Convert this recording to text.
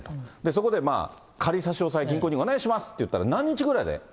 そこで、まあ、仮差し押さえ、銀行にお願いしますって言ったら、何日ぐらいで？